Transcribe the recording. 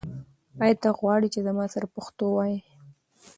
آیا ته غواړې چې زما سره پښتو ووایې؟